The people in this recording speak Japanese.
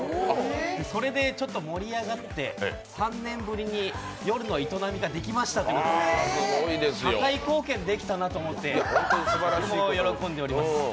それでちょっと盛り上がって３年ぶりに夜の営みができましたということで社会貢献できたなと思って喜んでおります。